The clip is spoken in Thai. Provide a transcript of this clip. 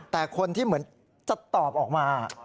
แต่คนที่เหมือนจะตอบออกมา